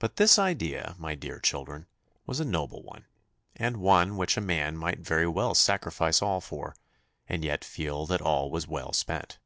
But this idea, my dear children, was a noble one, and one which a man might very well sacrifice all for, and yet feel that all was well spent.